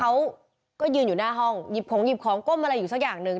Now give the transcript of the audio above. เขาก็ยืนอยู่หน้าห้องหยิบของหยิบของก้มอะไรอยู่สักอย่างหนึ่ง